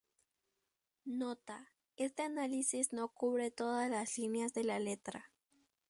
Nota: Éste análisis no cubre todas las líneas de la letra.